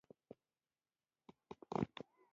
تر موږ پورې په لیکلې بڼه نه دي را رسېدلي.